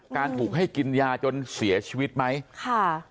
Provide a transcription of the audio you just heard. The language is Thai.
การถูกให้กินยาจนเสียชีวิตไหมค่ะ